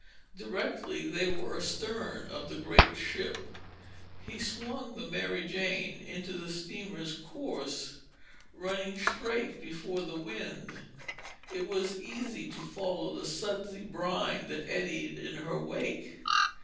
Directly they were astern of the great ship, he swung the Mary Jane into the steamer's course. Running straight before the wind, it was easy to follow the sudsy brine that eddied in her wake.